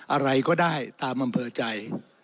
อะไรก็ได้ตามอำเภอใจ